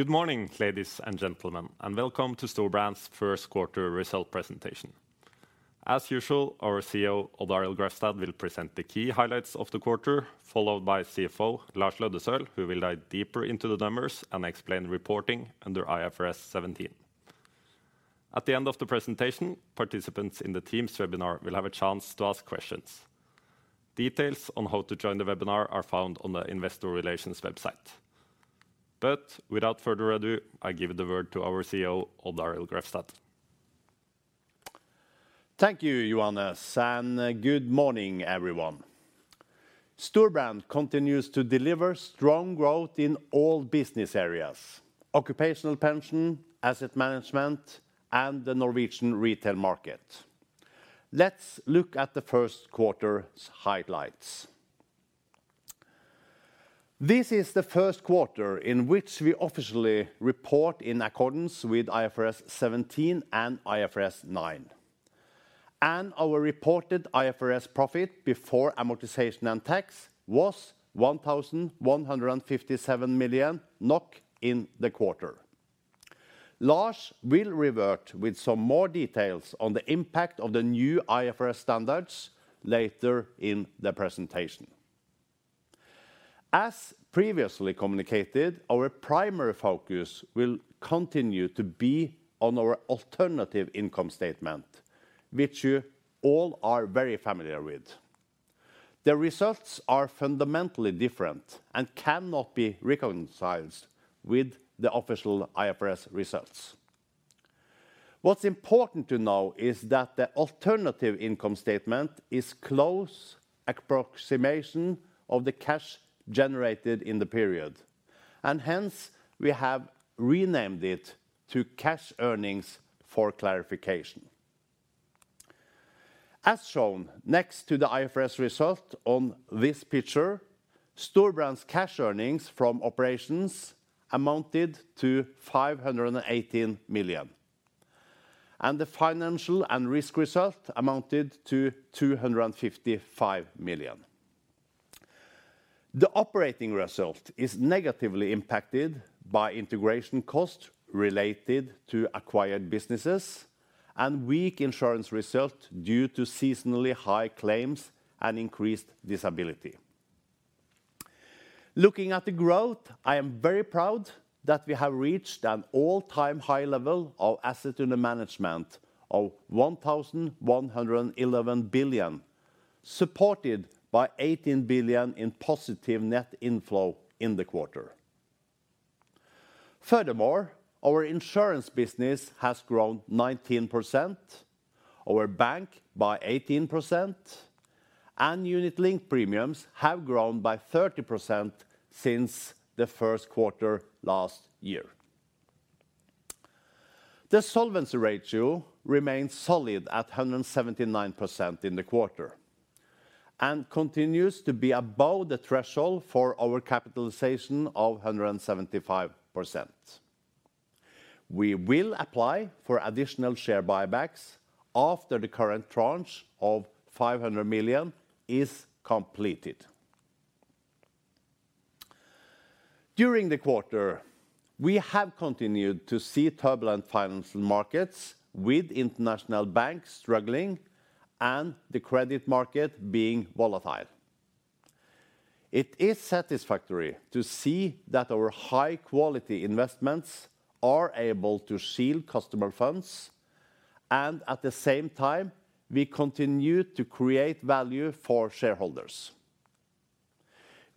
Good morning, ladies and gentlemen, and welcome to Storebrand's Q1 result presentation. As usual, our CEO, Odd Arild Grefstad, will present the key highlights of the quarter, followed by CFO Lars Løddesøl, who will dive deeper into the numbers and explain reporting under IFRS 17. At the end of the presentation, participants in the Teams webinar will have a chance to ask questions. Details on how to join the webinar are found on the investor relations website. Without further ado, I give the word to our CEO, Odd Arild Grefstad. Thank you, Johannes. Good morning, everyone. Storebrand continues to deliver strong growth in all business areas, occupational pension, asset management and the Norwegian retail market. Let's look at the Q1 highlights. This is the Q1 in which we officially report in accordance with IFRS 17 and IFRS 9, and our reported IFRS profit before amortization and tax was 1,157 million NOK in the quarter. Lars will revert with some more details on the impact of the new IFRS standards later in the presentation. As previously communicated, our primary focus will continue to be on our alternative income statement, which you all are very familiar with. The results are fundamentally different and cannot be reconciled with the official IFRS results. What's important to know is that the alternative income statement is close approximation of the cash generated in the period, and hence we have renamed it to Cash Earnings for clarification. As shown next to the IFRS result on this picture, Storebrand's cash earnings from operations amounted to 518 million, and the financial and risk result amounted to 255 million. The operating result is negatively impacted by integration costs related to acquired businesses and weak insurance result due to seasonally high claims and increased disability. Looking at the growth, I am very proud that we have reached an all-time high level of assets under management of 1,111 billion, supported by 18 billion in positive net inflow in the quarter. Furthermore, our insurance business has grown 19%, our bank by 18%, and unit-linked premiums have grown by 30% since the Q1 last year. The solvency ratio remains solid at 179% in the quarter and continues to be above the threshold for our capitalization of 175%. We will apply for additional share buybacks after the current tranche of 500 million is completed. During the quarter, we have continued to see turbulent financial markets with international banks struggling and the credit market being volatile. It is satisfactory to see that our high quality investments are able to shield customer funds and at the same time, we continue to create value for shareholders.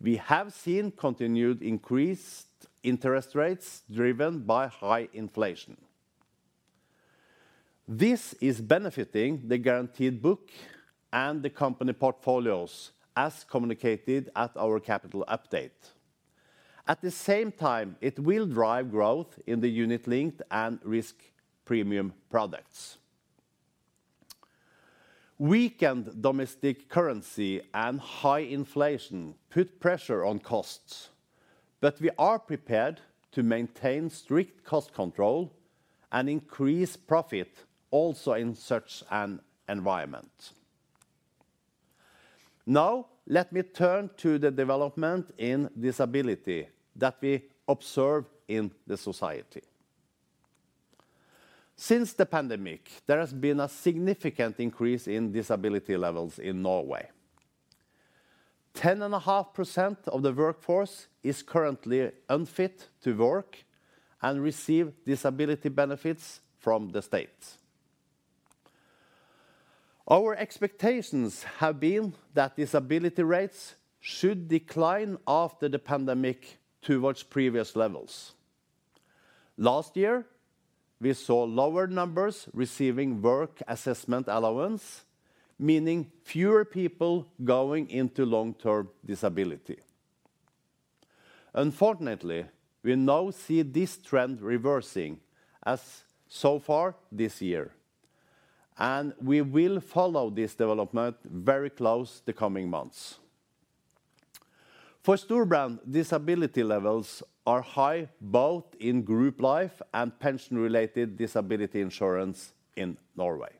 We have seen continued increased interest rates driven by high inflation. This is benefiting the guaranteed book and the company portfolios, as communicated at our capital update. At the same time, it will drive growth in the unit-linked and risk premium products. Weakened domestic currency and high inflation put pressure on costs, but we are prepared to maintain strict cost control and increase profit also in such an environment. Let me turn to the development in disability that we observe in the society. Since the pandemic, there has been a significant increase in disability levels in Norway. 10.5% of the workforce is currently unfit to work and receive disability benefits from the State. Our expectations have been that disability rates should decline after the pandemic towards previous levels. Last year, we saw lower numbers receiving work assessment allowance, meaning fewer people going into long term disability. Unfortunately, we now see this trend reversing as so far this year, and we will follow this development very close the coming months. For Storebrand, disability levels are high both in group life and pension related disability insurance in Norway.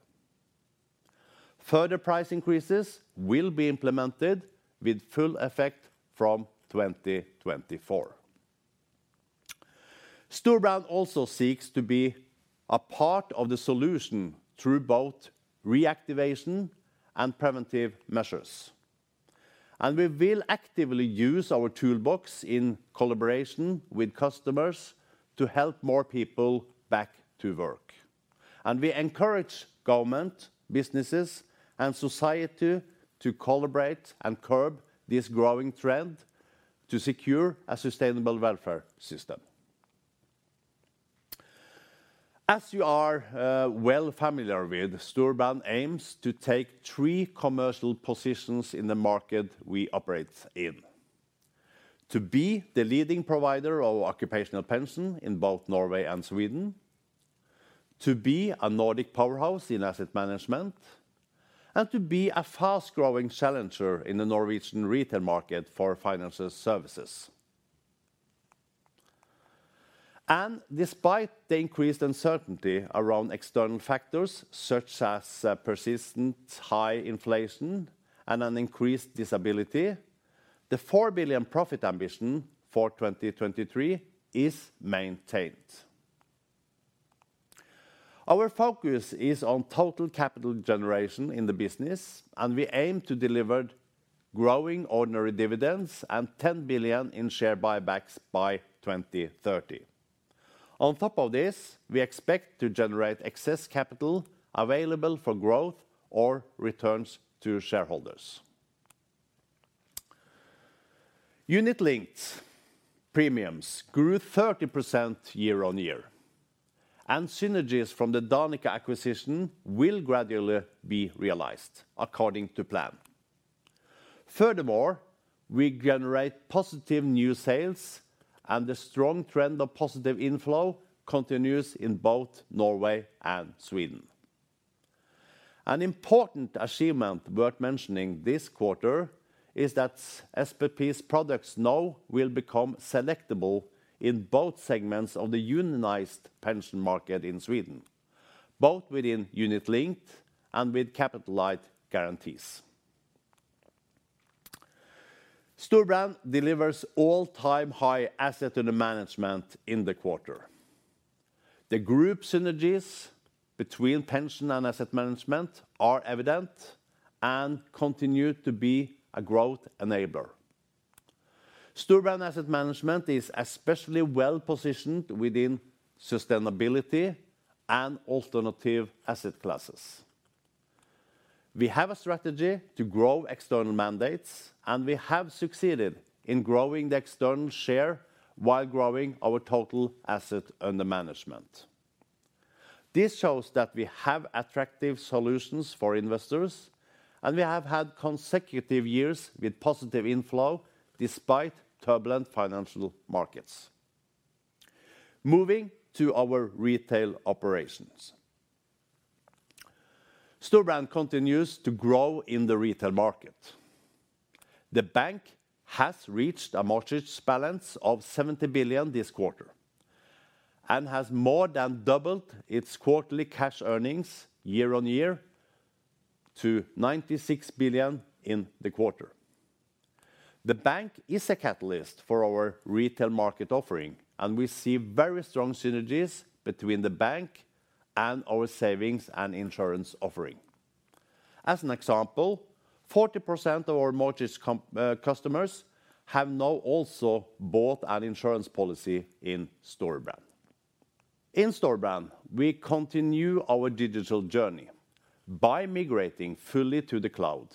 Further price increases will be implemented with full effect from 2024. Storebrand also seeks to be a part of the solution through both reactivation and preventive measures. We will actively use our toolbox in collaboration with customers to help more people back to work. We encourage government, businesses, and society to collaborate and curb this growing trend to secure a sustainable welfare system. As you are well familiar with, Storebrand aims to take three commercial positions in the market we operate in. To be the leading provider of occupational pension in both Norway and Sweden, to be a Nordic powerhouse in asset management, and to be a fast growing challenger in the Norwegian retail market for financial services. Despite the increased uncertainty around external factors such as persistent high inflation and an increased disability, the 4 billion profit ambition for 2023 is maintained. Our focus is on total capital generation in the business, and we aim to deliver growing ordinary dividends and 10 billion in share buybacks by 2030. On top of this, we expect to generate excess capital available for growth or returns to shareholders. Unit linked premiums grew 30% year-on-year, and synergies from the Danica acquisition will gradually be realized according to plan. Furthermore, we generate positive new sales, and the strong trend of positive inflow continues in both Norway and Sweden. An important achievement worth mentioning this quarter is that SPP's products now will become selectable in both segments of the unionized pension market in Sweden, both within unit linked and with capitalized guarantees. Storebrand delivers all-time high asset under management in the quarter. The group synergies between pension and asset management are evident and continue to be a growth enabler. Storebrand Asset Management is especially well-positioned within sustainability and alternative asset classes. We have a strategy to grow external mandates, and we have succeeded in growing the external share while growing our total asset under management. This shows that we have attractive solutions for investors, and we have had consecutive years with positive inflow despite turbulent financial markets. Moving to our retail operations. Storebrand continues to grow in the retail market. The bank has reached a mortgage balance of 70 billion this quarter and has more than doubled its quarterly cash earnings year-on-year to 96 billion in the quarter. The bank is a catalyst for our retail market offering, and we see very strong synergies between the bank and our savings and insurance offering. As an example, 40% of our mortgage customers have now also bought an insurance policy in Storebrand. In Storebrand, we continue our digital journey by migrating fully to the cloud,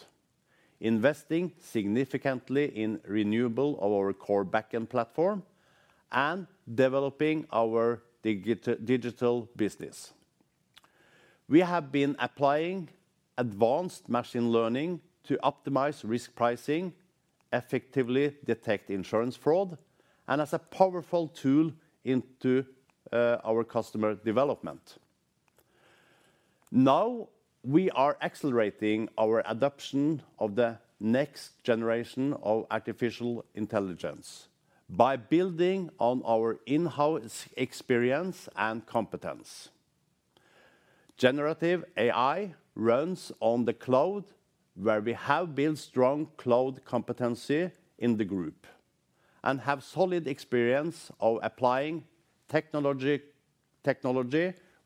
investing significantly in renewable of our core backend platform, and developing our digital business. We have been applying advanced machine learning to optimize risk pricing, effectively detect insurance fraud, and as a powerful tool into our customer development. Now, we are accelerating our adoption of the next generation of artificial intelligence by building on our in-house experience and competence. Generative AI runs on the cloud, where we have built strong cloud competency in the group and have solid experience of applying technology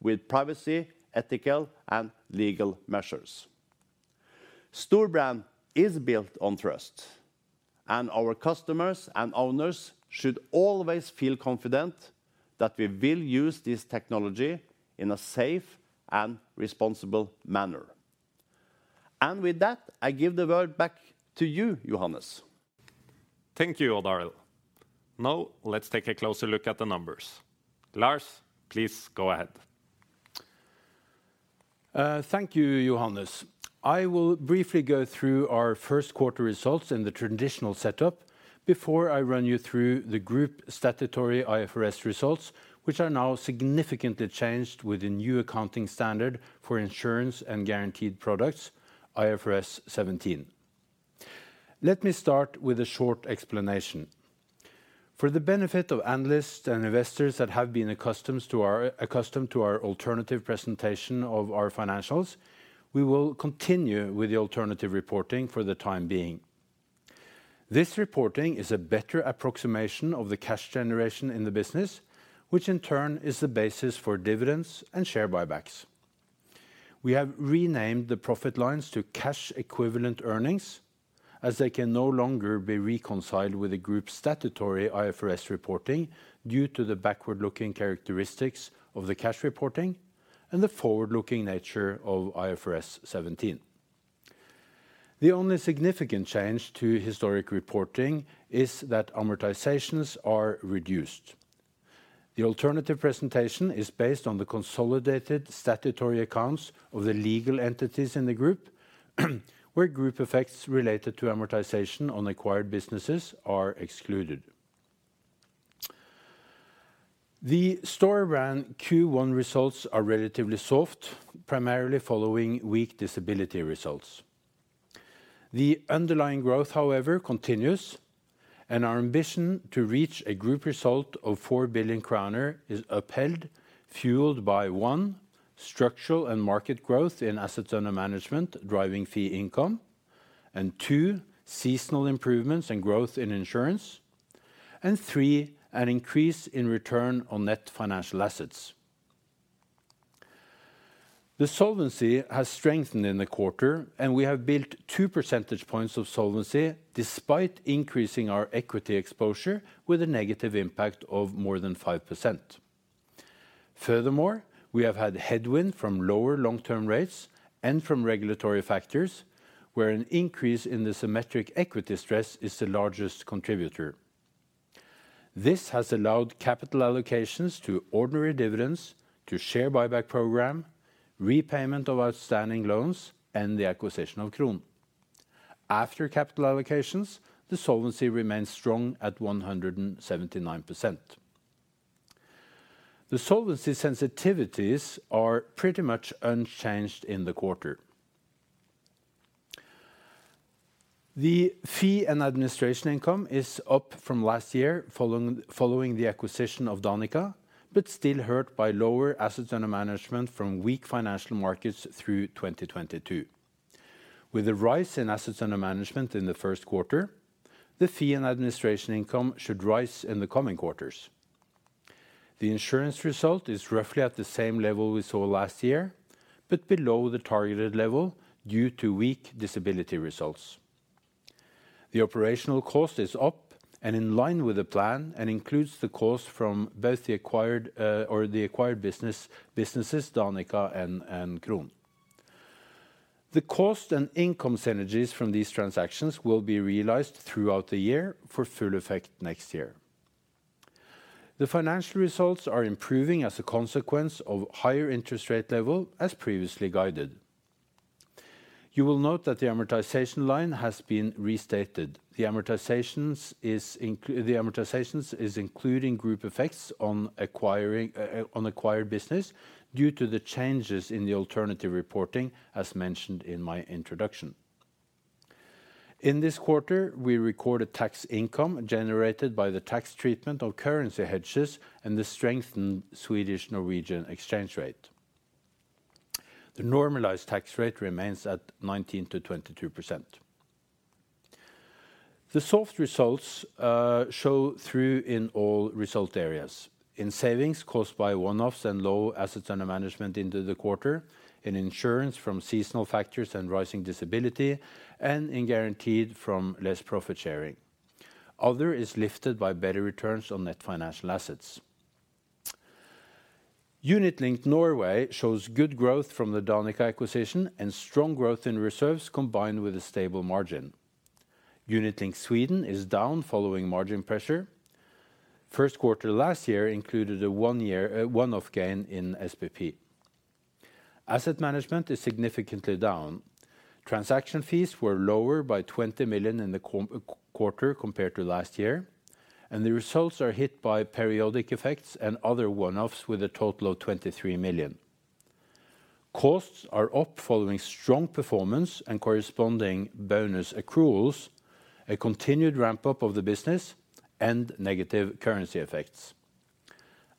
with privacy, ethical, and legal measures. Storebrand is built on trust, and our customers and owners should always feel confident that we will use this technology in a safe and responsible manner. With that, I give the word back to you, Johannes. Thank you, Odd Arild. Now let's take a closer look at the numbers. Lars, please go ahead. Thank you, Johannes. I will briefly go through our Q1 results in the traditional setup before I run you through the group statutory IFRS results, which are now significantly changed with the new accounting standard for insurance and guaranteed products, IFRS 17. Let me start with a short explanation. For the benefit of analysts and investors that have been accustomed to our alternative presentation of our financials, we will continue with the alternative reporting for the time being. This reporting is a better approximation of the cash generation in the business, which in turn is the basis for dividends and share buybacks. We have renamed the profit lines to cash equivalent earnings, as they can no longer be reconciled with the group's statutory IFRS reporting due to the backward-looking characteristics of the cash reporting and the forward-looking nature of IFRS 17. The only significant change to historic reporting is that amortizations are reduced. The alternative presentation is based on the consolidated statutory accounts of the legal entities in the group, where group effects related to amortization on acquired businesses are excluded. The Storebrand Q1 results are relatively soft, primarily following weak disability results. The underlying growth, however, continues, and our ambition to reach a group result of 4 billion kroner is upheld, fueled by, 1, structural and market growth in assets under management driving fee income. 2, seasonal improvements and growth in insurance. 3, an increase in return on net financial assets. The solvency has strengthened in the quarter, and we have built 2 percentage points of solvency despite increasing our equity exposure with a negative impact of more than 5%. Furthermore, we have had headwind from lower long-term rates and from regulatory factors where an increase in the symmetric equity stress is the largest contributor. This has allowed capital allocations to ordinary dividends to share buyback program, repayment of outstanding loans, and the acquisition of Kron. After capital allocations, the solvency remains strong at 179%. The solvency sensitivities are pretty much unchanged in the quarter. The fee and administration income is up from last year following the acquisition of Danica, but still hurt by lower assets under management from weak financial markets through 2022. With the rise in assets under management in the Q1, the fee and administration income should rise in the coming quarters. The insurance result is roughly at the same level we saw last year, but below the targeted level due to weak disability results. The operational cost is up and in line with the plan and includes the cost from both the acquired businesses, Danica and Kron. The cost and income synergies from these transactions will be realized throughout the year for full effect next year. The financial results are improving as a consequence of higher interest rate level as previously guided. You will note that the amortization line has been restated. The amortizations is including group effects on acquired business due to the changes in the alternative reporting as mentioned in my introduction. In this quarter, we recorded tax income generated by the tax treatment of currency hedges and the strengthened Swedish-Norwegian exchange rate. The normalized tax rate remains at 19% to 22%. The soft results show through in all result areas. In savings caused by one-offs and low assets under management into the quarter, in insurance from seasonal factors and rising disability, and in guaranteed from less profit sharing. Other is lifted by better returns on net financial assets. Unitlinked Norway shows good growth from the Danica acquisition and strong growth in reserves combined with a stable margin. Unitlinked Sweden is down following margin pressure. Q1 last year included a one year, one-off gain in SPP. Asset management is significantly down. Transaction fees were lower by 20 million in the quarter compared to last year, and the results are hit by periodic effects and other one-offs with a total of 23 million. Costs are up following strong performance and corresponding bonus accruals, a continued ramp up of the business and negative currency effects.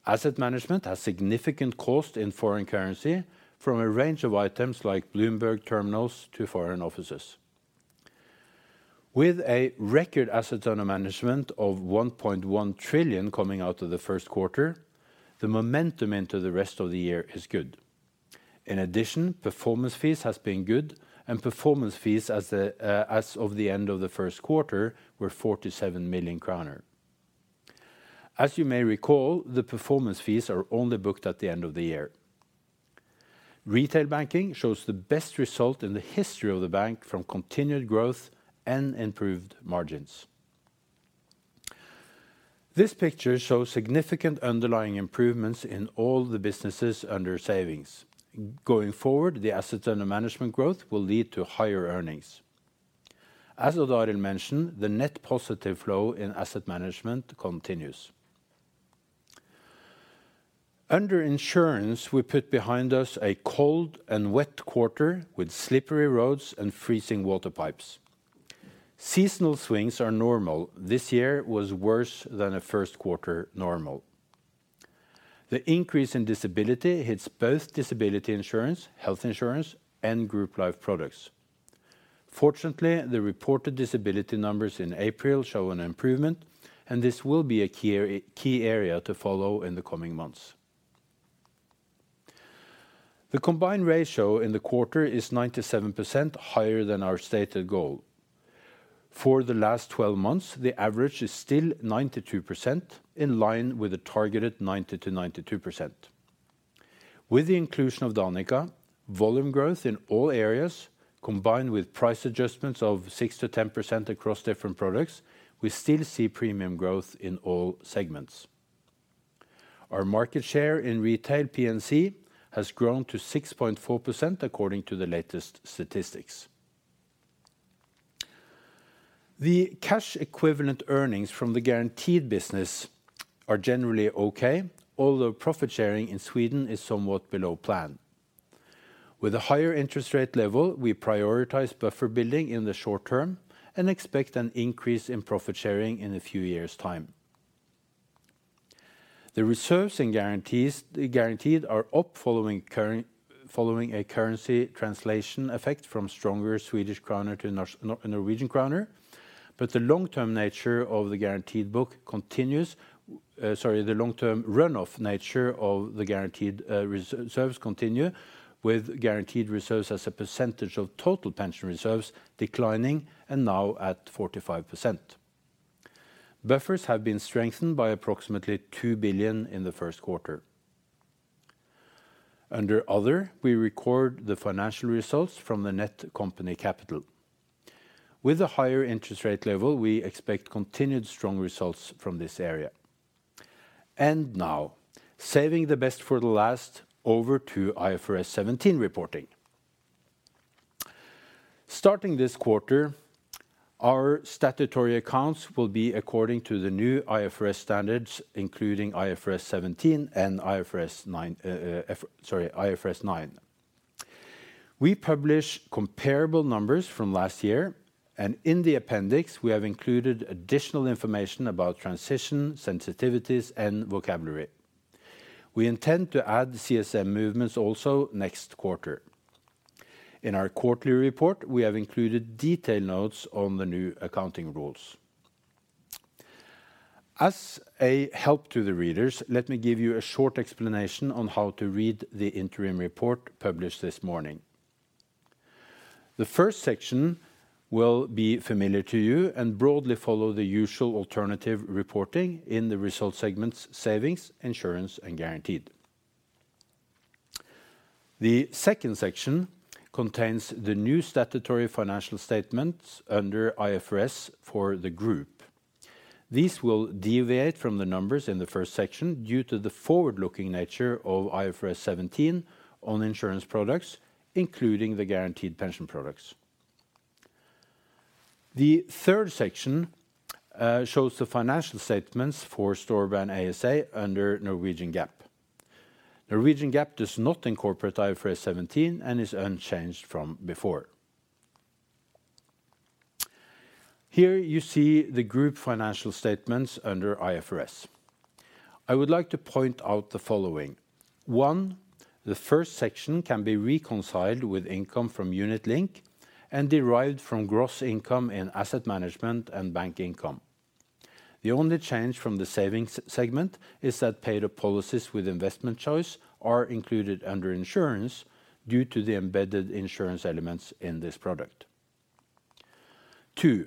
Asset management has significant cost in foreign currency from a range of items like Bloomberg terminals to foreign offices. With a record AUM of 1.1 trillion coming out of the Q1, the momentum into the rest of the year is good. In addition, performance fees has been good, and performance fees as of the end of the Q1 were 47 million kroner. As you may recall, the performance fees are only booked at the end of the year. Retail banking shows the best result in the history of the bank from continued growth and improved margins. This picture shows significant underlying improvements in all the businesses under savings. Going forward, the AUM growth will lead to higher earnings. As Odd Arild mentioned, the net positive flow in asset management continues. Under insurance, we put behind us a cold and wet quarter with slippery roads and freezing water pipes. Seasonal swings are normal. This year was worse than a Q1 normal. The increase in disability hits both disability insurance, health insurance, and group life products. Fortunately, the reported disability numbers in April show an improvement, and this will be a key area to follow in the coming months. The combined ratio in the quarter is 97% higher than our stated goal. For the last 12 months, the average is still 92% in line with a targeted 90%-92%. With the inclusion of Danica, volume growth in all areas, combined with price adjustments of 6%-10% across different products, we still see premium growth in all segments. Our market share in retail P&C has grown to 6.4% according to the latest statistics. The cash equivalent earnings from the guaranteed business are generally okay, although profit sharing in Sweden is somewhat below plan. With a higher interest rate level, we prioritize buffer building in the short term and expect an increase in profit sharing in a few years' time. The reserves in guaranteed are up following a currency translation effect from stronger Swedish krona to Norwegian krona. The long term nature of the guaranteed book continues, sorry, the long term run off nature of the guaranteed reserves continue with guaranteed reserves as a percentage of total pension reserves declining and now at 45%. Buffers have been strengthened by approximately 2 billion in the Q1. Under other, we record the financial results from the net company capital. With the higher interest rate level, we expect continued strong results from this area. Saving the best for the last, over to IFRS 17 reporting. Starting this quarter, our statutory accounts will be according to the new IFRS standards, including IFRS 17 and IFRS 9, sorry, IFRS 9. We publish comparable numbers from last year, and in the appendix, we have included additional information about transition, sensitivities, and vocabulary. We intend to add CSM movements also next quarter. In our quarterly report, we have included detailed notes on the new accounting rules. As a help to the readers, let me give you a short explanation on how to read the interim report published this morning. The first section will be familiar to you and broadly follow the usual alternative reporting in the result segments savings, insurance, and guaranteed. The second section contains the new statutory financial statements under IFRS for the group. These will deviate from the numbers in the first section due to the forward-looking nature of IFRS 17 on insurance products, including the guaranteed pension products. The third section shows the financial statements for Storebrand ASA under Norwegian GAAP. Norwegian GAAP does not incorporate IFRS 17 and is unchanged from before. Here you see the group financial statements under IFRS. I would like to point out the following. 1, the first section can be reconciled with income from UnitLink and derived from gross income in asset management and bank income. The only change from the savings segment is that paid-up policies with investment choice are included under insurance due to the embedded insurance elements in this product. 2.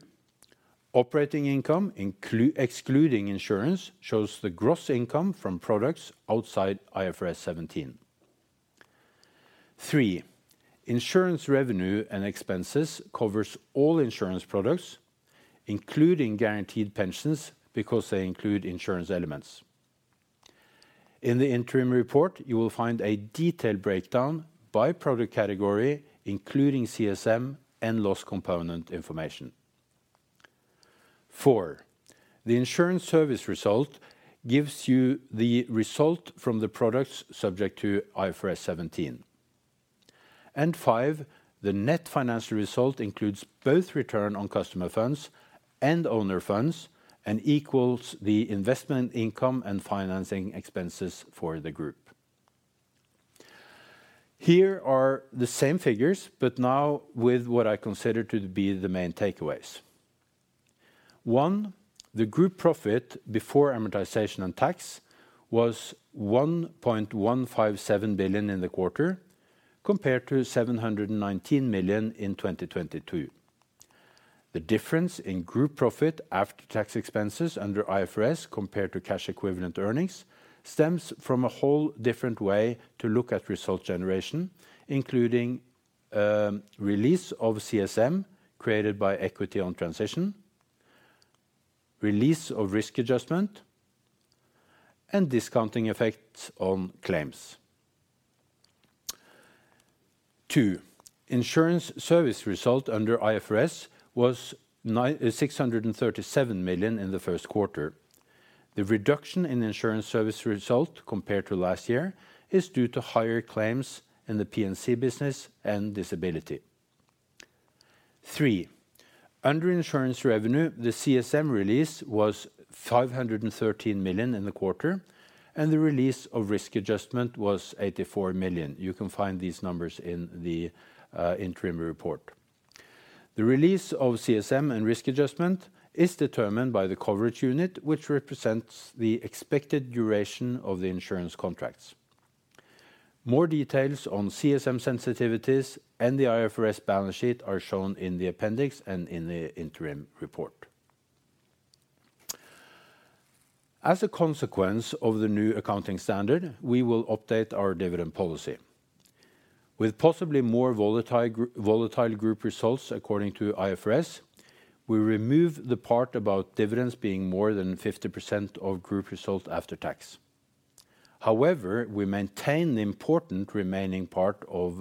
Operating income excluding insurance shows the gross income from products outside IFRS 17. 3. Insurance revenue and expenses covers all insurance products, including guaranteed pensions, because they include insurance elements. In the interim report, you will find a detailed breakdown by product category, including CSM and loss component information. 4. The insurance service result gives you the result from the products subject to IFRS 17. 5. The net financial result includes both return on customer funds and owner funds and equals the investment income and financing expenses for the group. Here are the same figures, but now with what I consider to be the main takeaways. One, the group profit before amortization and tax was 1.157 billion in the quarter, compared to 719 million in 2022. The difference in group profit after tax expenses under IFRS compared to cash equivalent earnings stems from a whole different way to look at result generation, including release of CSM created by equity on transition, release of risk adjustment, and discounting effects on claims. Two, insurance service result under IFRS was 637 million in the Q1. The reduction in insurance service result compared to last year is due to higher claims in the P&C business and disability. Three, under insurance revenue, the CSM release was 513 million in the quarter, and the release of risk adjustment was 84 million. You can find these numbers in the interim report. The release of CSM and risk adjustment is determined by the coverage unit, which represents the expected duration of the insurance contracts. More details on CSM sensitivities and the IFRS balance sheet are shown in the appendix and in the interim report. As a consequence of the new accounting standard, we will update our dividend policy. With possibly more volatile group results according to IFRS, we remove the part about dividends being more than 50% of group results after tax. We maintain the important remaining part of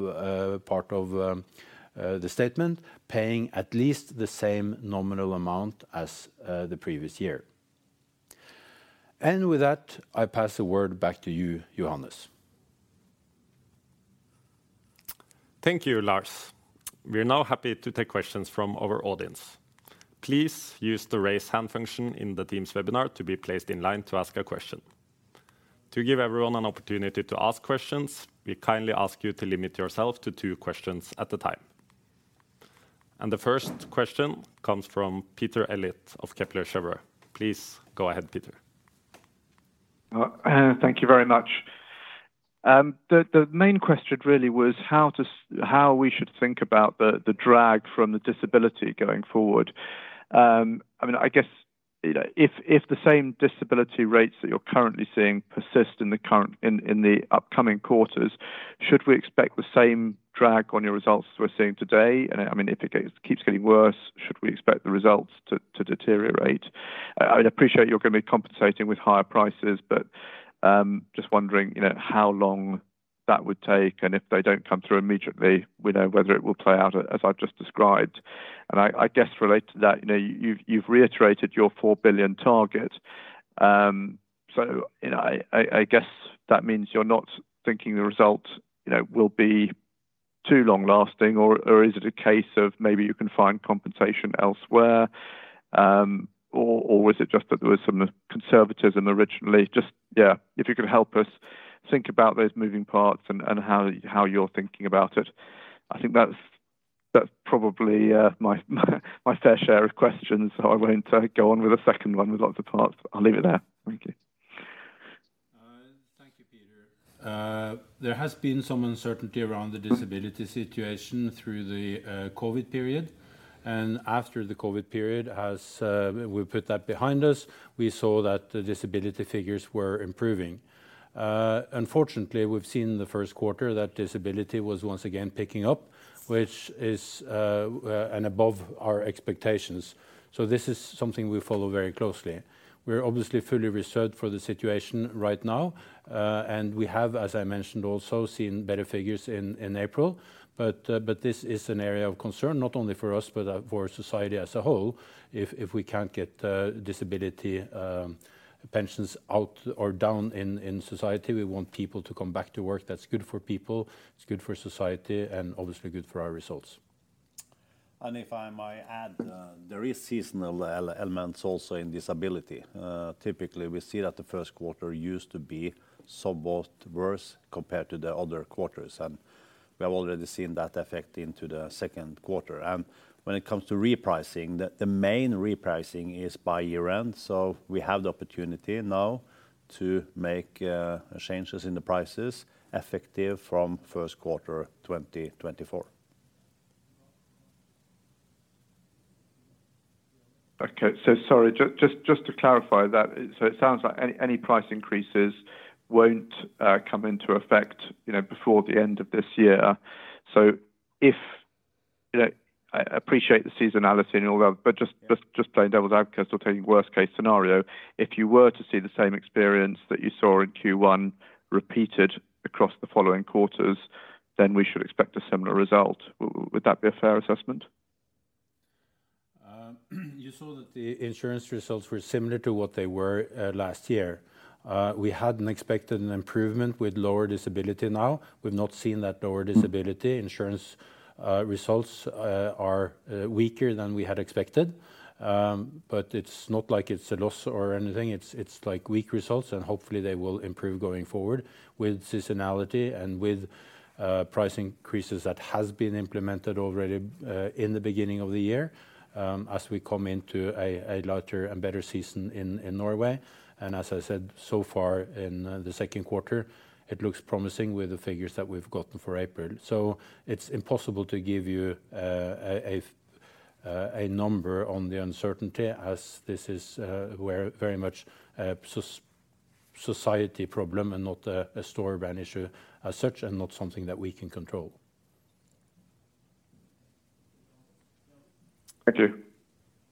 the statement, paying at least the same nominal amount as the previous year. With that, I pass the word back to you, Johannes. Thank you, Lars. We are now happy to take questions from our audience. Please use the raise hand function in the team's webinar to be placed in line to ask a question. To give everyone an opportunity to ask questions, we kindly ask you to limit yourself to two questions at a time. The first question comes from Peter Eliot of Kepler Cheuvreux. Please go ahead, Peter. Thank you very much. The main question really was how we should think about the drag from the disability going forward. I mean, I guess, you know, if the same disability rates that you're currently seeing persist in the current, in the upcoming quarters, should we expect the same drag on your results we're seeing today? I mean, if it gets, keeps getting worse, should we expect the results to deteriorate? I'd appreciate you're gonna be compensating with higher prices, but just wondering, you know, how long that would take, and if they don't come through immediately, you know, whether it will play out as I've just described. I guess related to that, you know, you've reiterated your 4 billion target. You know, I guess that means you're not thinking the result, you know, will be too long lasting or is it a case of maybe you can find compensation elsewhere? Or is it just that there was some conservatism originally? Just, yeah, if you could help us think about those moving parts and how you're thinking about it. I think that's probably my fair share of questions, so I won't go on with a second one with lots of parts. I'll leave it there. Thank you. Thank you, Peter. There has been some uncertainty around the disability situation through the COVID period. After the COVID period, as we put that behind us, we saw that the disability figures were improving. Unfortunately, we've seen the Q1 that disability was once again picking up, which is and above our expectations. This is something we follow very closely. We're obviously fully reserved for the situation right now. We have, as I mentioned, also seen better figures in April. This is an area of concern, not only for us, but for society as a whole, if we can't get disability pensions out or down in society. We want people to come back to work. That's good for people, it's good for society, and obviously good for our results. If I might add, there is seasonal elements also in disability. Typically, we see that the Q1 used to be somewhat worse compared to the other quarters, and we have already seen that effect into the Q2. When it comes to repricing, the main repricing is by year-end, so we have the opportunity now to make changes in the prices effective from Q1 2024. Okay. Sorry. Just to clarify that, it sounds like any price increases won't come into effect, you know, before the end of this year. If... You know, I appreciate the seasonality and all that, but Yeah... just playing devil's advocate or taking worst case scenario, if you were to see the same experience that you saw in Q1 repeated across the following quarters, then we should expect a similar result. Would that be a fair assessment? You saw that the insurance results were similar to what they were last year. We had expected an improvement with lower disability now. We've not seen that lower disability. Insurance results are weaker than we had expected. It's not like it's a loss or anything. It's like weak results, hopefully they will improve going forward with seasonality and with price increases that has been implemented already in the beginning of the year as we come into a larger and better season in Norway. As I said, so far in the Q2, it looks promising with the figures that we've gotten for April. It's impossible to give you a number on the uncertainty as this is, we're very much a society problem and not a Storebrand issue as such, and not something that we can control.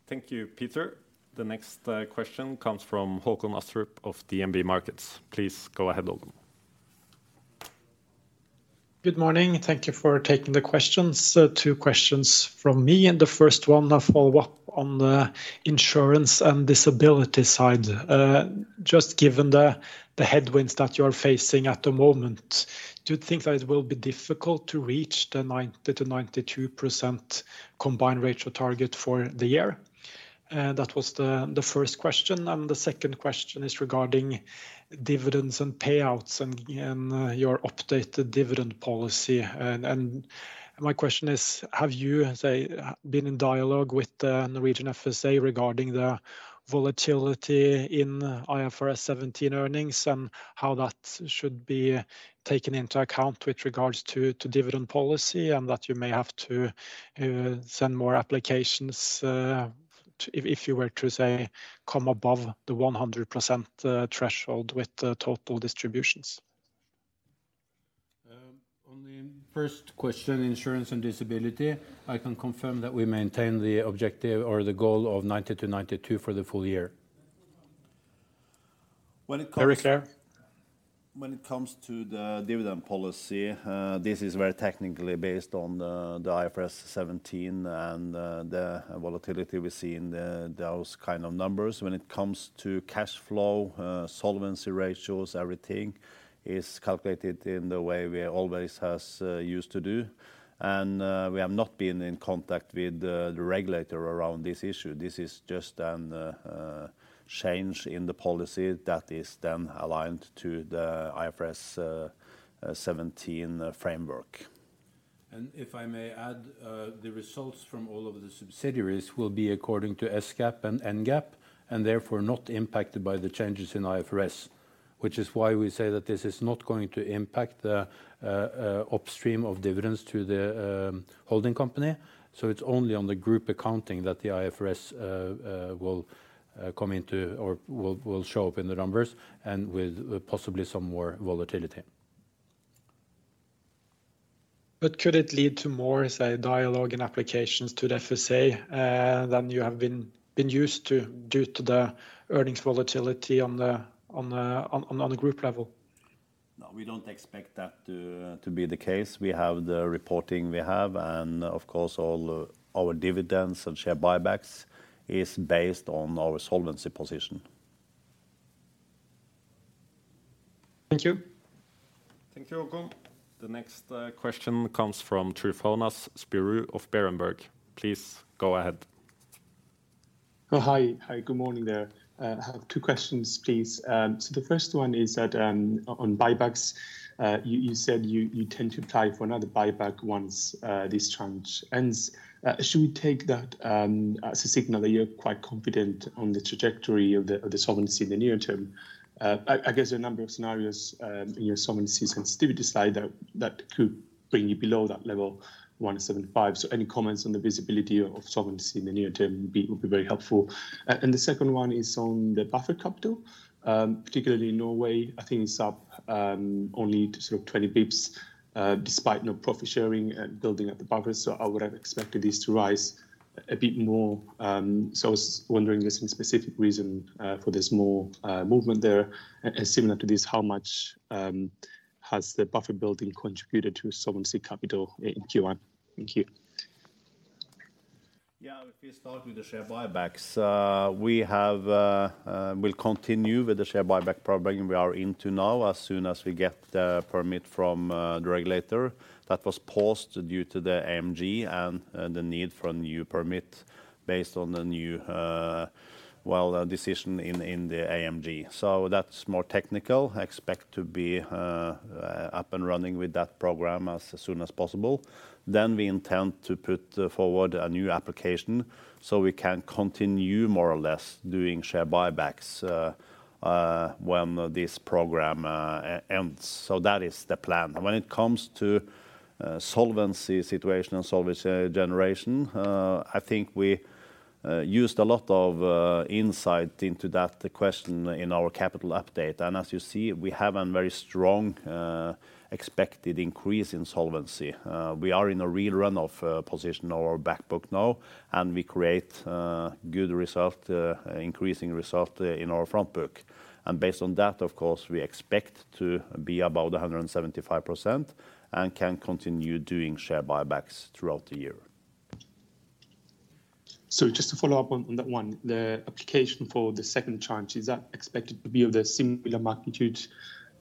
Thank you, Peter. The next question comes from Håkon Astrup of DNB Markets. Please go ahead, Håkon. Good morning. Thank you for taking the questions. Two questions from me, and the first one a follow-up on the insurance and disability side. Just given the headwinds that you're facing at the moment, do you think that it will be difficult to reach the 90%-92% combined ratio target for the year? That was the first question. The second question is regarding dividends and payouts and your updated dividend policy. My question is, have you, say, been in dialogue with the Norwegian FSA regarding the volatility in IFRS 17 earnings and how that should be taken into account with regards to dividend policy and that you may have to send more applications if you were to, say, come above the 100% threshold with the total distributions? On the first question, insurance and disability, I can confirm that we maintain the objective or the goal of 90-92 for the full year. Very clear. When it comes to the dividend policy, this is very technically based on IFRS 17 and the volatility we see in those kind of numbers. When it comes to cash flow, solvency ratios, everything is calculated in the way we always has used to do. We have not been in contact with the regulator around this issue. This is just a change in the policy that is then aligned to the IFRS 17 framework. If I may add, the results from all of the subsidiaries will be according to S-GAAP and N-GAAP, and therefore not impacted by the changes in IFRS, which is why we say that this is not going to impact the upstream of dividends to the holding company. It's only on the group accounting that the IFRS will come into or will show up in the numbers and with possibly some more volatility. Could it lead to more, say, dialogue and applications to the FSA than you have been used to due to the earnings volatility on a group level? We don't expect that to be the case. We have the reporting we have, and of course, all our dividends and share buybacks is based on our solvency position. Thank you. Thank you, Hakon. The next question comes from Tryfonas Spyrou of Berenberg. Please go ahead. Hi. Hi, good morning there. I have two questions, please. The first one is that on buybacks, you said you tend to apply for another buyback once this tranche ends. Should we take that as a signal that you're quite confident on the trajectory of the solvency in the near term? I guess there are a number of scenarios, your solvency can still decide that could bring you below that level 175. Any comments on the visibility of solvency in the near term would be very helpful. The second one is on the buffer capital, particularly in Norway. I think it's up only to sort of 20 basis points, despite no profit sharing, building up the buffer. I would have expected this to rise a bit more. I was wondering if there's some specific reason for this more movement there. Similar to this, how much has the buffer building contributed to solvency capital in Q1? Thank you. If we start with the share buybacks, we'll continue with the share buyback program we are into now, as soon as we get the permit from the regulator. That was paused due to the AMG and the need for a new permit based on the new, well, decision in the AMG. That's more technical. Expect to be up and running with that program as soon as possible. We intend to put forward a new application, so we can continue more or less doing share buybacks when this program ends. That is the plan. When it comes to solvency situation and solvency generation, I think we used a lot of insight into that question in our capital update. As you see, we have a very strong expected increase in solvency. We are in a real run of position on our back book now, and we create good result, increasing result in our front book. Based on that, of course, we expect to be above 175% and can continue doing share buybacks throughout the year. Just to follow up on that one, the application for the second tranche, is that expected to be of the similar magnitude,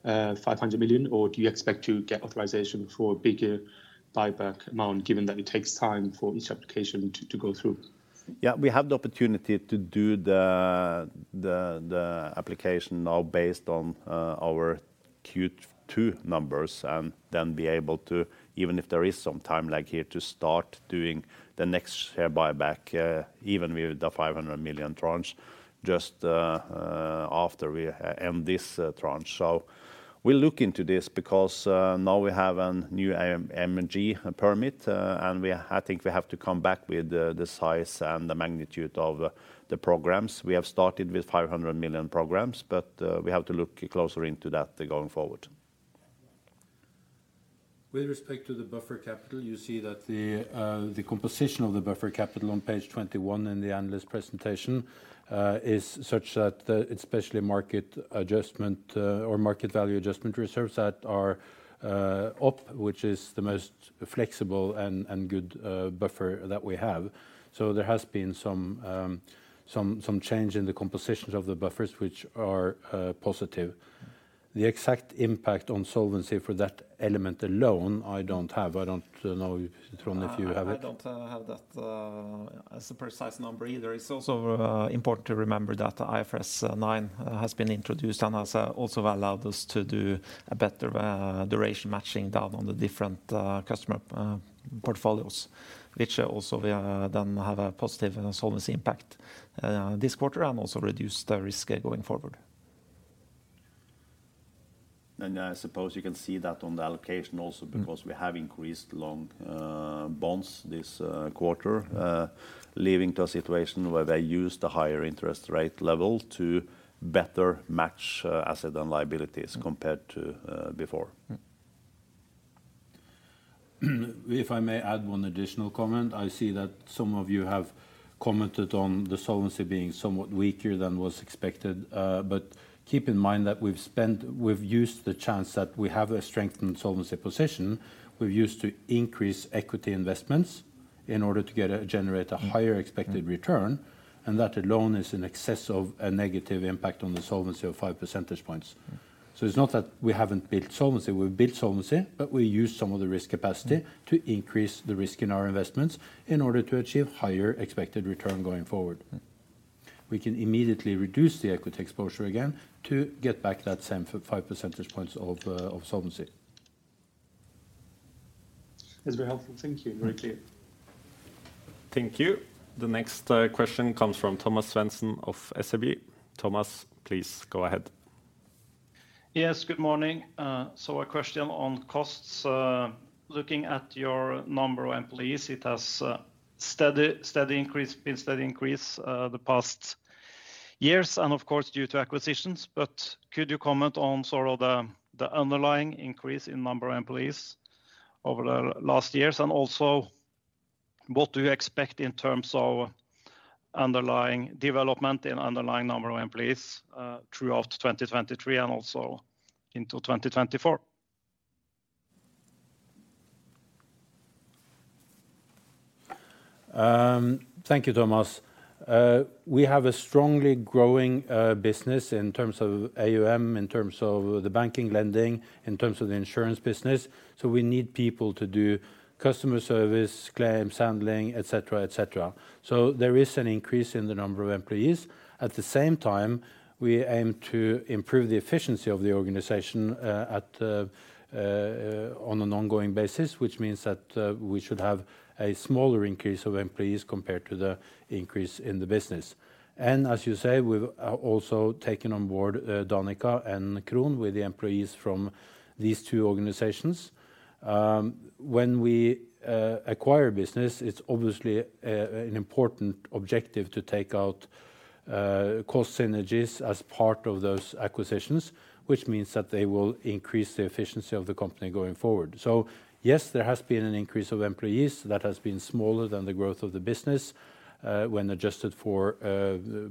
500 million, or do you expect to get authorization for a bigger buyback amount, given that it takes time for each application to go through? We have the opportunity to do the application now based on our Q2 numbers and then be able to, even if there is some time lag here, to start doing the next share buyback, even with the 500 million tranche, just after we end this tranche. We'll look into this because now we have a new AM-AMG permit, and we, I think we have to come back with the size and the magnitude of the programs. We have started with 500 million programs, but we have to look closer into that going forward. With respect to the buffer capital, you see that the composition of the buffer capital on page 21 in the analyst presentation is such that especially market adjustment or market value adjustment reserve that are up, which is the most flexible and good buffer that we have. There has been some change in the compositions of the buffers which are positive. The exact impact on solvency for that element alone I don't have. I don't know, Trond, if you have it. I don't have that as a precise number either. It's also important to remember that IFRS 9 has been introduced and has also allowed us to do a better duration matching down on the different customer portfolios, which also we then have a positive solvency impact this quarter and also reduce the risk going forward. I suppose you can see that on the allocation also because we have increased long bonds this quarter, leading to a situation where they use the higher interest rate level to better match asset and liabilities compared to before. If I may add one additional comment. I see that some of you have commented on the solvency being somewhat weaker than was expected. Keep in mind that we've used the chance that we have a strengthened solvency position, we've used to increase equity investments in order to generate a higher expected return, and that alone is in excess of a negative impact on the solvency of 5 percentage points. It's not that we haven't built solvency, we've built solvency, but we use some of the risk capacity to increase the risk in our investments in order to achieve higher expected return going forward. We can immediately reduce the equity exposure again to get back that same 5 percentage points of solvency. It's very helpful. Thank you. Very clear. Thank you. The next question comes from Thomas Svendsen of SEB. Thomas, please go ahead. Yes. Good morning. A question on costs. Looking at your number of employees, it has been steady increase the past years, and of course due to acquisitions. Could you comment on the underlying increase in number of employees over the last years? What do you expect in terms of underlying development in underlying number of employees throughout 2023 and also into 2024? Thank you, Thomas. We have a strongly growing business in terms of AUM, in terms of the banking lending, in terms of the insurance business, so we need people to do customer service, claims handling, et cetera, et cetera. There is an increase in the number of employees. At the same time, we aim to improve the efficiency of the organization on an ongoing basis, which means that we should have a smaller increase of employees compared to the increase in the business. As you say, we've also taken on board Danica and Kron with the employees from these two organizations. When we acquire business, it's obviously an important objective to take out cost synergies as part of those acquisitions, which means that they will increase the efficiency of the company going forward. Yes, there has been an increase of employees that has been smaller than the growth of the business, when adjusted for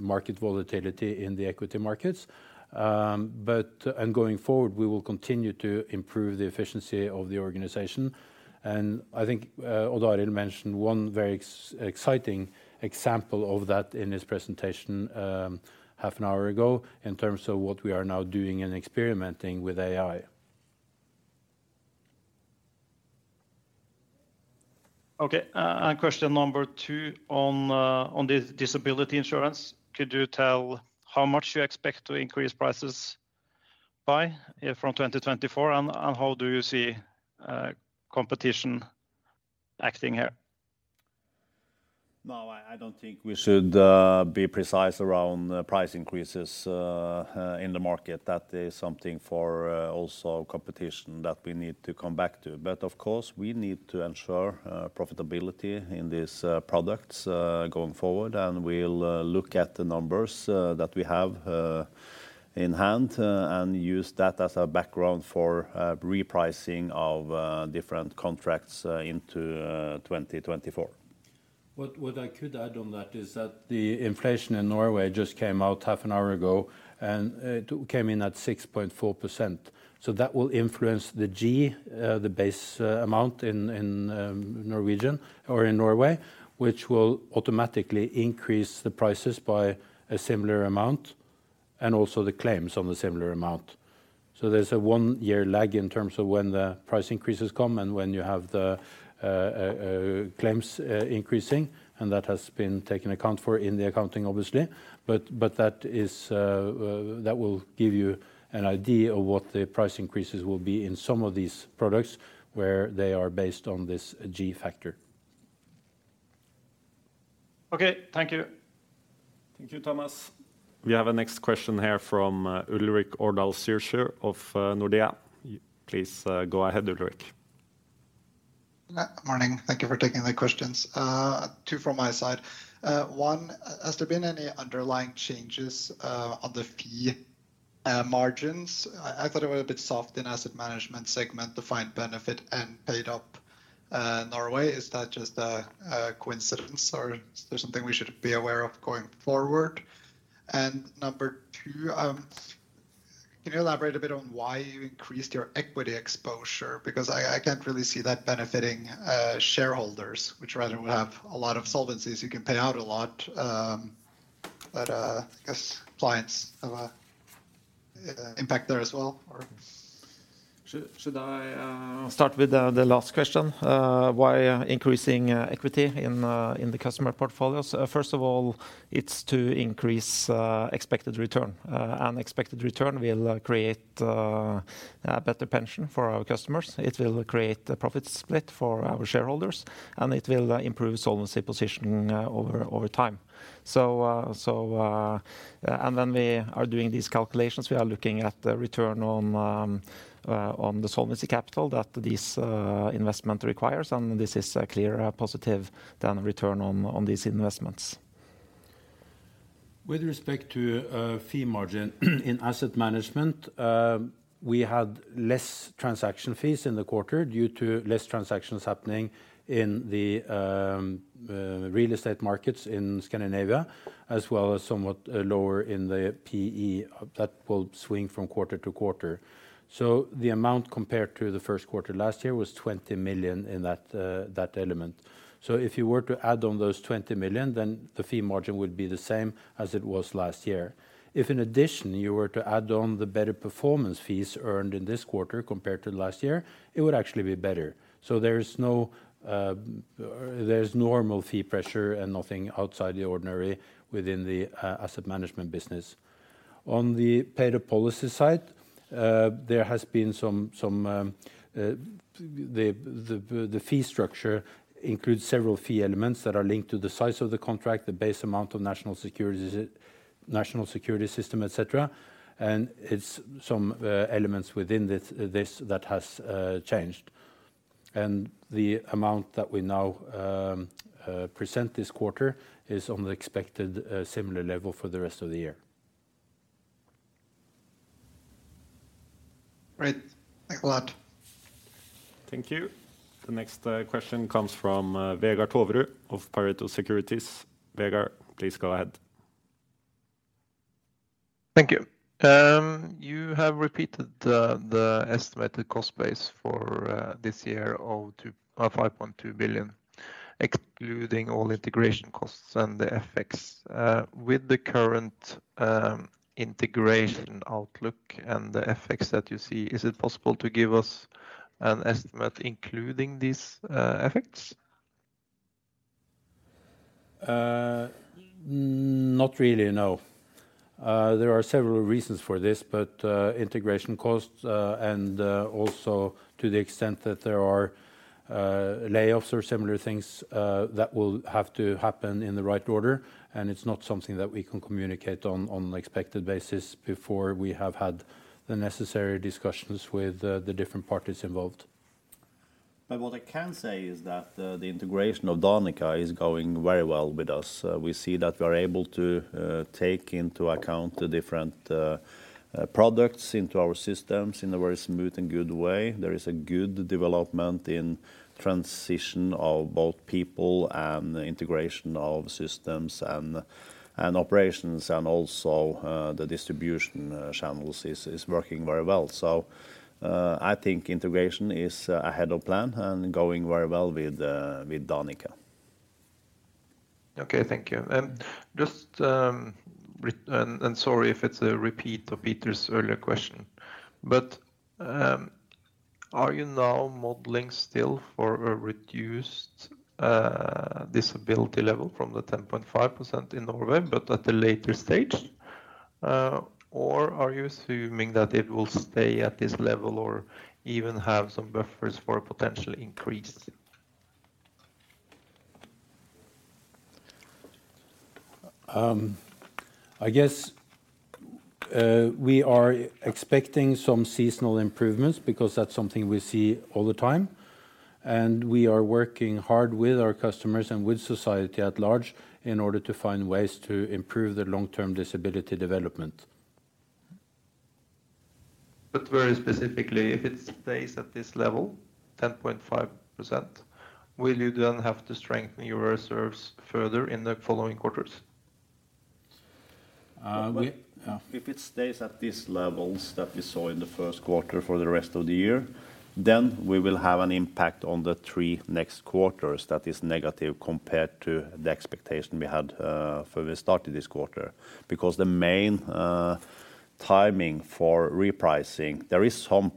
market volatility in the equity markets. Going forward, we will continue to improve the efficiency of the organization. I think Odd Arild mentioned one very exciting example of that in his presentation, half an hour ago in terms of what we are now doing and experimenting with AI. Okay. question number two on the disability insurance. Could you tell how much you expect to increase prices by, from 2024, and how do you see competition acting here? No, I don't think we should be precise around price increases in the market. That is something for also competition that we need to come back to. Of course, we need to ensure profitability in these products going forward. We'll look at the numbers that we have in hand and use that as a background for repricing of different contracts into 2024. What I could add on that is that the inflation in Norway just came out half an hour ago, and it came in at 6.4%. That will influence the G, the base amount in Norwegian or in Norway, which will automatically increase the prices by a similar amount, and also the claims on the similar amount. There's a one-year lag in terms of when the price increases come and when you have the claims increasing, and that has been taken account for in the accounting obviously. That is that will give you an idea of what the price increases will be in some of these products where they are based on this G factor. Okay. Thank you. Thank you, Thomas. We have a next question here from Ulrik Årdal Zürcher of Nordea. Please go ahead, Ulrik. Morning. Thank you for taking the questions. Two from my side. One, has there been any underlying changes on the fee margins? I thought it was a bit soft in Asset Management segment, the defined benefit and paid up Norway. Is that just a coincidence, or is there something we should be aware of going forward? Number two, can you elaborate a bit on why you increased your equity exposure? Because I can't really see that benefiting shareholders, which rather would have a lot of solvencies who can pay out a lot. I guess clients have a impact there as well, or? Should I start with the last question, why increasing equity in the customer portfolios? First of all, it's to increase expected return. Expected return will create better pension for our customers. It will create a profit split for our shareholders, and it will improve solvency position over time. When we are doing these calculations, we are looking at the return on the solvency capital that this investment requires, and this is clearer positive than return on these investments. With respect to fee margin in asset management, we had less transaction fees in the quarter due to less transactions happening in the real estate markets in Scandinavia, as well as somewhat lower in the PE. That will swing from quarter to quarter. The amount compared to the Q1 last year was 20 million in that element. If you were to add on those 20 million, then the fee margin would be the same as it was last year. If in addition you were to add on the better performance fees earned in this quarter compared to last year, it would actually be better. There is no. There is normal fee pressure and nothing outside the ordinary within the asset management business. On the pay-up policy side, there has been some. The fee structure includes several fee elements that are linked to the size of the contract, the base amount of national securities, national security system, et cetera, and it's some elements within this that has changed. The amount that we now present this quarter is on the expected similar level for the rest of the year. Great. Thanks a lot. Thank you. The next question comes from Vegard Toverud of Pareto Securities. Vegard, please go ahead. Thank you. You have repeated the estimated cost base for this year of 5.2 billion, excluding all integration costs and the FX. With the current integration outlook and the FX that you see, is it possible to give us an estimate including these effects? Not really, no. There are several reasons for this. Integration costs, and also to the extent that there are layoffs or similar things, that will have to happen in the right order, and it's not something that we can communicate on expected basis before we have had the necessary discussions with the different parties involved. What I can say is that the integration of Danica is going very well with us. We see that we are able to take into account the different products into our systems in a very smooth and good way. There is a good development in transition of both people and integration of systems and operations and also the distribution channels is working very well. I think integration is ahead of plan and going very well with Danica. Okay, thank you. Sorry if it's a repeat of Peter's earlier question. Are you now modeling still for a reduced disability level from the 10.5% in Norway, but at a later stage? Or are you assuming that it will stay at this level or even have some buffers for a potential increase? I guess, we are expecting some seasonal improvements because that's something we see all the time, and we are working hard with our customers and with society at large in order to find ways to improve the long-term disability development. Very specifically, if it stays at this level, 10.5%, will you then have to strengthen your reserves further in the following quarters? Uh, we- If it stays at these levels that we saw in the Q1 for the rest of the year, then we will have an impact on the three next quarters that is negative compared to the expectation we had, for we started this quarter. The main timing for repricing, there is some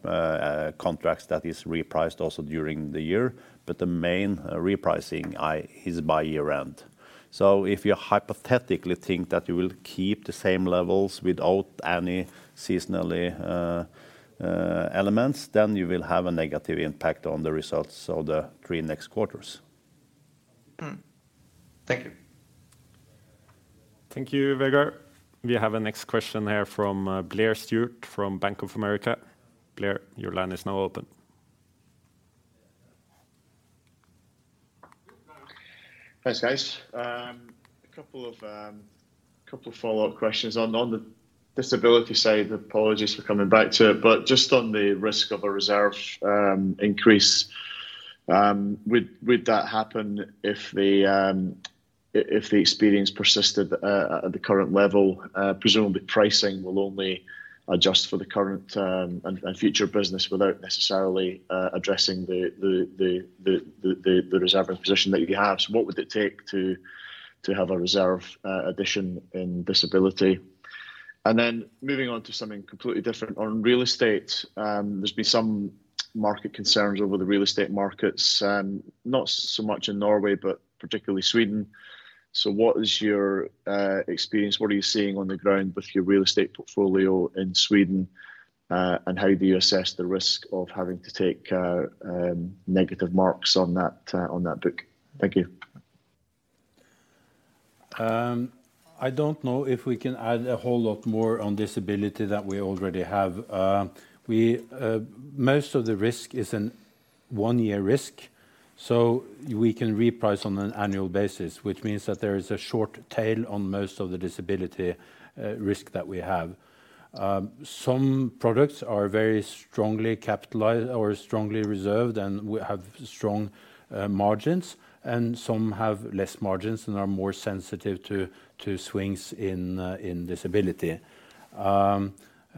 contracts that is repriced also during the year, but the main repricing is by year-end. If you hypothetically think that you will keep the same levels without any seasonally elements, then you will have a negative impact on the results of the three next quarters. Thank you. Thank you, Vegard. We have a next question here from Blair Stewart from Bank of America. Blair, your line is now open. Thanks, guys. A couple of follow-up questions. On the disability side, apologies for coming back to it, but just on the risk of a reserve increase, would that happen if the experience persisted at the current level? Presumably pricing will only adjust for the current and future business without necessarily addressing the reserve position that you have. What would it take to have a reserve addition in disability? Moving on to something completely different. On real estate, there's been some market concerns over the real estate markets, not so much in Norway, but particularly Sweden. What is your experience? What are you seeing on the ground with your real estate portfolio in Sweden, and how do you assess the risk of having to take negative marks on that on that book? Thank you. I don't know if we can add a whole lot more on disability that we already have. Most of the risk is a 1-year risk, so we can reprice on an annual basis, which means that there is a short tail on most of the disability risk that we have. Some products are very strongly capitalized or strongly reserved,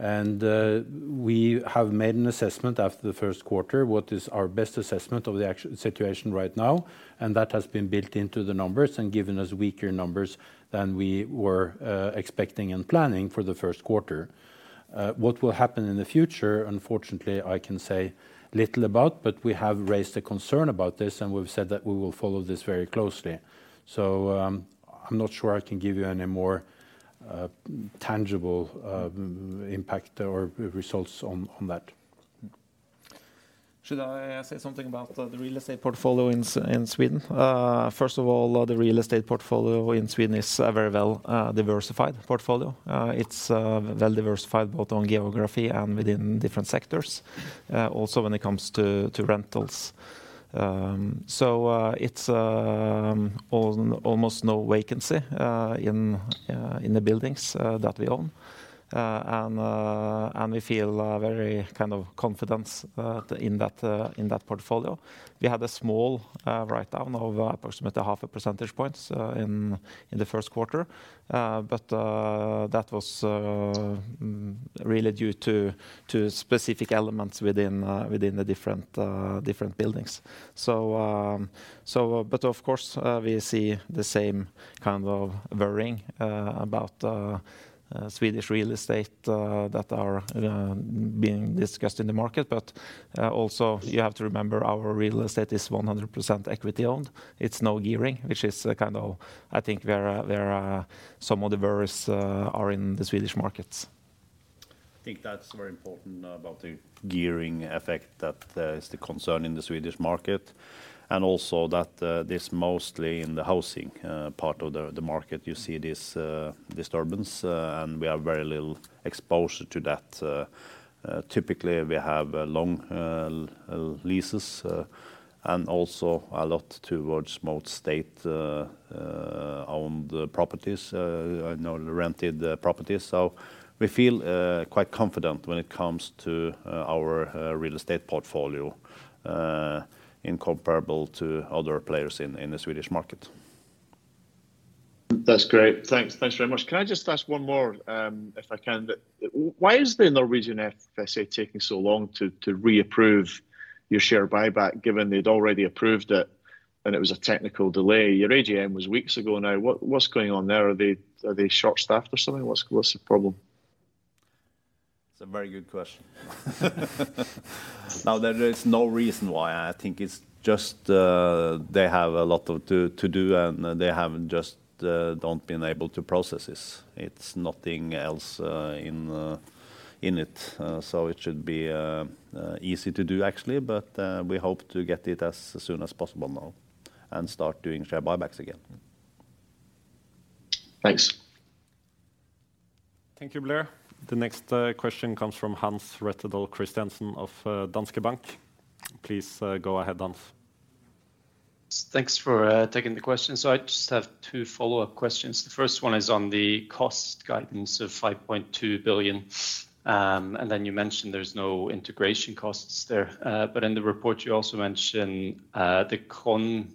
and we have strong margins, and some have less margins and are more sensitive to swings in disability. We have made an assessment after the Q1, what is our best assessment of the actual situation right now, and that has been built into the numbers and given us weaker numbers than we were expecting and planning for the Q1. What will happen in the future, unfortunately, I can say little about. We have raised a concern about this, and we've said that we will follow this very closely. I'm not sure I can give you any more tangible impact or results on that. Should I say something about the real estate portfolio in Sweden? First of all, the real estate portfolio in Sweden is a very well diversified portfolio. It's well diversified both on geography and within different sectors, also when it comes to rentals. It's almost no vacancy in the buildings that we own. We feel very kind of confidence in that in that portfolio. We had a small write down of approximately half a percentage points in the Q1, that was really due to specific elements within the different buildings. Of course, we see the same kind of worrying about Swedish real estate that are being discussed in the market. Also you have to remember our real estate is 100% equity owned. It's no gearing, which is a kind of I think where, some of the worries are in the Swedish markets. I think that's very important about the gearing effect that is the concern in the Swedish market and also that this mostly in the housing part of the market you see this disturbance. We have very little exposure to that. Typically we have long leases, and also a lot towards more state owned properties, you know, rented properties. We feel quite confident when it comes to our real estate portfolio, in comparable to other players in the Swedish market. That's great. Thanks. Thanks very much. Can I just ask one more, if I can? Why is the Norwegian FSA taking so long to reapprove your share buyback, given they'd already approved it and it was a technical delay? Your AGM was weeks ago now. What's going on there? Are they short-staffed or something? What's the problem? It's a very good question. There is no reason why. I think it's just they have a lot to do, and they have just, don't been able to process this. It's nothing else in it. It should be easy to do, actually. We hope to get it as soon as possible now and start doing share buybacks again. Thanks. Thank you, Blair. The next question comes from.. Please go ahead, Hans. Thanks for taking the question. I just have two follow-up questions. The first one is on the cost guidance of 5.2 billion. You mentioned there's no integration costs there. In the report, you also mention the Kron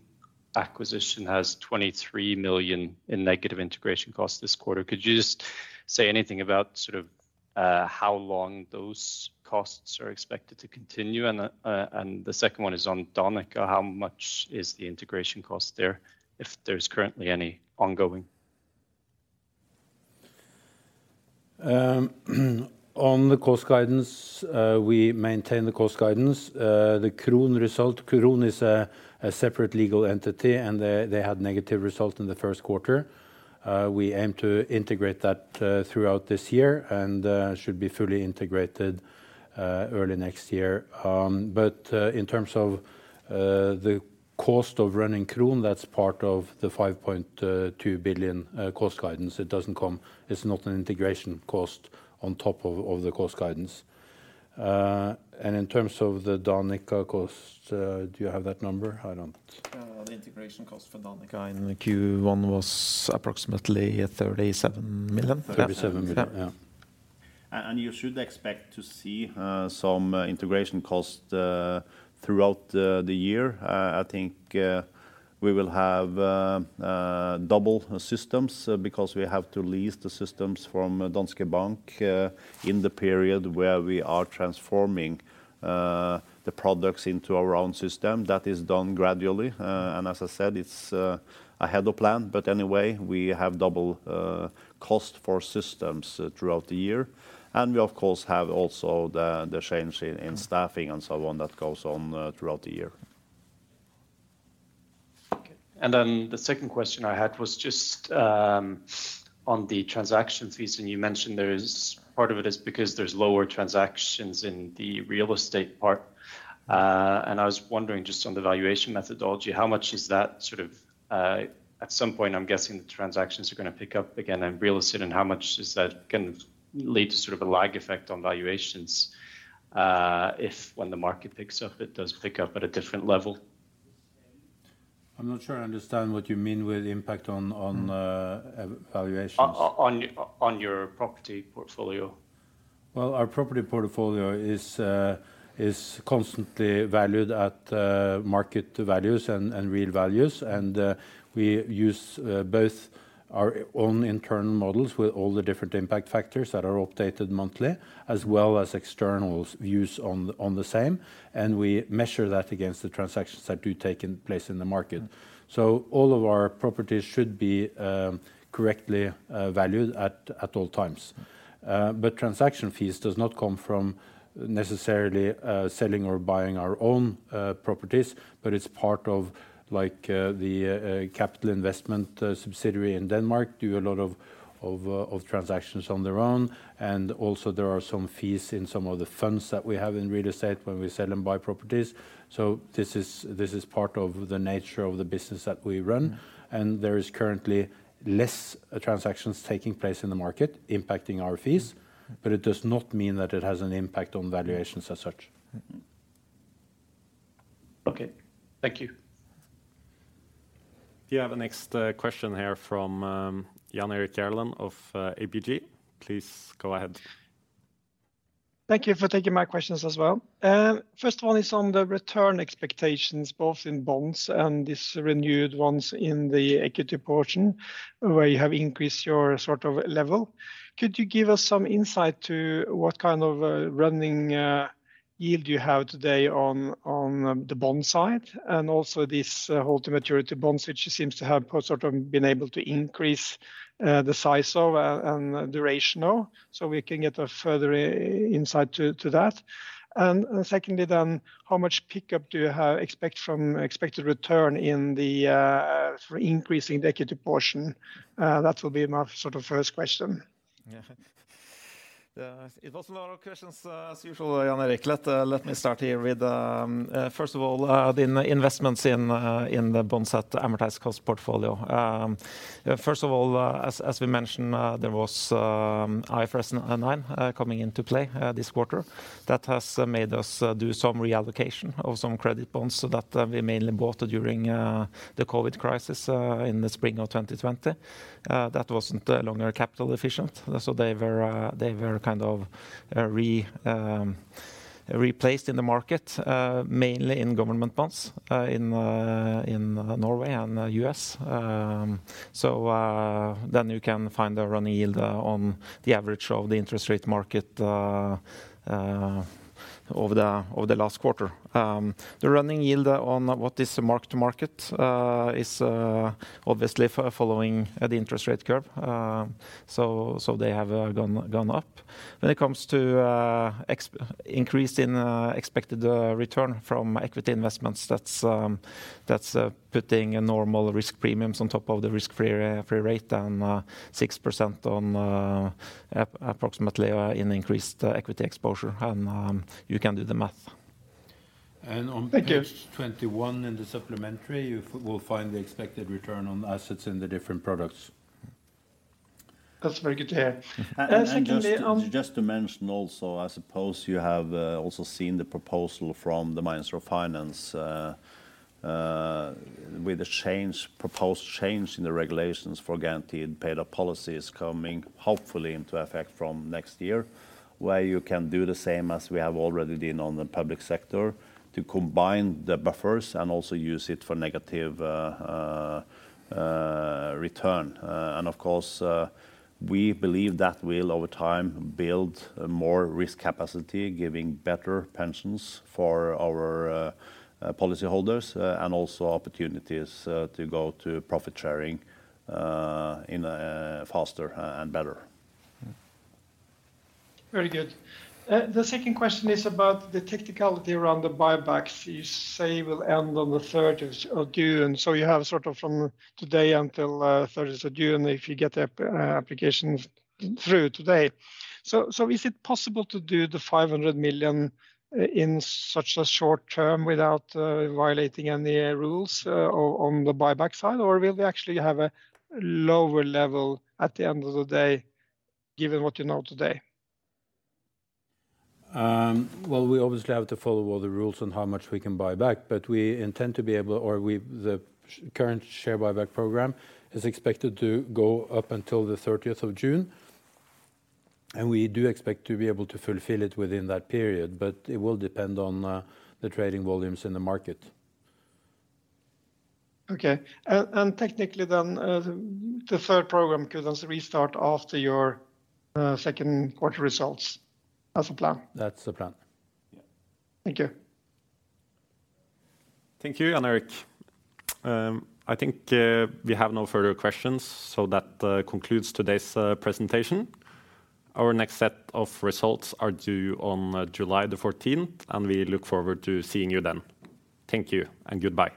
acquisition has 23 million in negative integration costs this quarter. Could you just say anything about sort of how long those costs are expected to continue? The second one is on Danica. How much is the integration cost there, if there's currently any ongoing? On the cost guidance, we maintain the cost guidance. The Kron result, Kron is a separate legal entity, and they had negative result in the Q1. We aim to integrate that throughout this year and should be fully integrated early next year. In terms of the cost of running Kron, that's part of the 5.2 billion cost guidance. It's not an integration cost on top of the cost guidance. In terms of the Danica cost, do you have that number? I don't. The integration cost for Danica in the Q1 was approximately 37 million. 37 million. Yeah. Yeah. You should expect to see some integration cost throughout the year. I think we will have double systems because we have to lease the systems from Danske Bank in the period where we are transforming the products into our own system. That is done gradually. As I said, it's ahead of plan. Anyway, we have double cost for systems throughout the year, and we of course have also the change in staffing and so on that goes on throughout the year. Okay. The second question I had was just on the transaction fees. You mentioned part of it is because there's lower transactions in the real estate part. I was wondering just on the valuation methodology, how much is that sort of. At some point, I'm guessing the transactions are gonna pick up again in real estate, and how much does that kind of lead to sort of a lag effect on valuations, if when the market picks up, it does pick up at a different level? I'm not sure I understand what you mean with impact on valuations. On your property portfolio. Well, our property portfolio is constantly valued at market values and real values. We use both our own internal models with all the different impact factors that are updated monthly, as well as external views on the same, and we measure that against the transactions that do take in place in the market. Mm-hmm. All of our properties should be correctly valued at all times. Transaction fees does not come from necessarily selling or buying our own properties, but it's part of like the capital investment subsidiary in Denmark do a lot of transactions on their own. Also there are some fees in some of the funds that we have in real estate when we sell and buy properties. This is part of the nature of the business that we run Mm-hmm. There is currently less transactions taking place in the market impacting our fees, but it does not mean that it has an impact on valuations as such. Mm-hmm. Okay. Thank you. We have the next question here from Jan Erik Gjerland of ABG. Please go ahead. Thank you for taking my questions as well. First one is on the return expectations both in bonds and these renewed ones in the equity portion where you have increased your sort of level. Could you give us some insight to what kind of running yield you have today on the bond side and also this hold-to-maturity bonds, which seems to have sort of been able to increase the size of and duration of, so we can get a further insight to that? Secondly then, how much pickup do you have expect from expected return in the for increasing the equity portion? That will be my sort of first question. Yeah. It was a lot of questions, as usual, Jan Erik. Let me start here with, first of all, the investments in the bond set amortized cost portfolio. First of all, as we mentioned, there was IFRS 9 coming into play this quarter. That has made us do some reallocation of some credit bonds so that we mainly bought during the COVID crisis in the spring of 2020. That wasn't any longer capital efficient, so they were kind of replaced in the market, mainly in government bonds in Norway and U.S. Then you can find a running yield on the average of the interest rate market over the last quarter. The running yield on what is mark to market is obviously following the interest rate curve. They have gone up. When it comes to increase in expected return from equity investments, that's that's putting a normal risk premiums on top of the risk free rate and 6% on approximately in increased equity exposure. You can do the math. Thank you. On page 21 in the supplementary, you will find the expected return on assets in the different products. That's very good to hear. Secondly... Just to mention also, I suppose you have also seen the proposal from the Minister of Finance with the change, proposed change in the regulations for guaranteed payout policies coming hopefully into effect from next year, where you can do the same as we have already done on the public sector to combine the buffers and also use it for negative return. Of course, we believe that will over time build more risk capacity, giving better pensions for our policyholders, and also opportunities to go to profit sharing in a faster and better. Very good. The second question is about the technicality around the buybacks you say will end on the 30th of June. You have sort of from today until 30th of June if you get the applications through today. Is it possible to do the 500 million in such a short term without violating any rules on the buyback side, or will we actually have a lower level at the end of the day given what you know today? Well, we obviously have to follow all the rules on how much we can buy back, but we intend to be able. The current share buyback program is expected to go up until the 30th of June, and we do expect to be able to fulfill it within that period, but it will depend on the trading volumes in the market. Okay. Technically then, the third program could also restart after your, Q2 results. That's the plan? That's the plan. Yeah. Thank you. Thank you, Jan Erik. I think we have no further questions. That concludes today's presentation. Our next set of results are due on July 14th. We look forward to seeing you then. Thank you and goodbye.